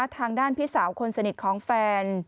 ทางด้านพี่สาวคนสนิทของแฟน